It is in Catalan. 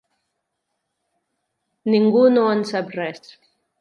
Ningú no en sap res.